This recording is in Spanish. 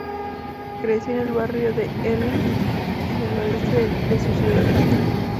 Creció en el barrio de Ealing, en el oeste de su ciudad natal.